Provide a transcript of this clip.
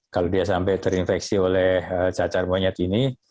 kalau dia sampai terinfeksi oleh cacar monyet ini